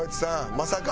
まさか。